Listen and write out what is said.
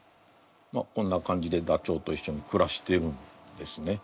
こんな感じでダチョウと一緒にくらしてるんですね。